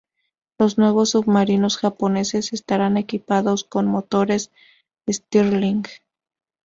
Los nuevos submarinos Japoneses estarán equipados con motores Stirling.